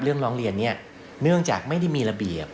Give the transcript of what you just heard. ร้องเรียนนี้เนื่องจากไม่ได้มีระเบียบ